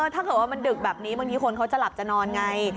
ถ้าเกิดว่ามันดึกแบบนี้บางทีคนเขาจะหลับจะนอนไง